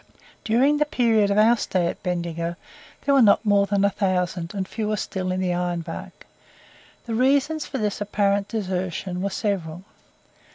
During the period of our stay at Bendigo there were not more than a thousand, and fewer still in the Iron Bark. The reasons for this apparent desertion were several.